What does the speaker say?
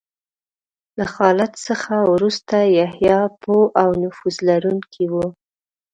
له خالد څخه وروسته یحیی پوه او نفوذ لرونکی و.